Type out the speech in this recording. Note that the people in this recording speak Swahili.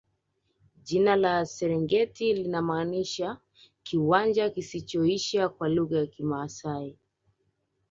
jina la serengeti linamaanisha kiwanja kisichoisha kwa lugha ya kimaasai